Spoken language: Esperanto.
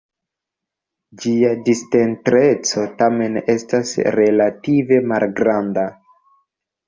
Ĝia discentreco tamen estas relative malgranda.